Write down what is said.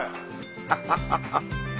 ハハハハ。